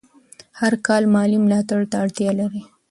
هر کار مالي ملاتړ ته اړتیا لري.